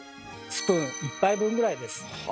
スプーン１杯分ぐらいです。